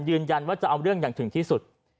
ยืนยันว่าจะเอาเรื่องอย่างถึงที่สุด